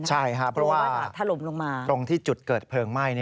ใช่เพราะว่าตรงที่จุดเกิดเผลิงไหม้